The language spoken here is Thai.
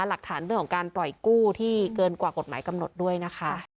หลักฐานเรื่องของการปล่อยกู้ที่เกินกว่ากฎหมายกำหนดด้วยนะคะ